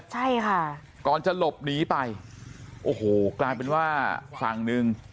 ค่ะก่อนจะหลบหนีไปกลายเป็นว่าฝั่งหนึ่ง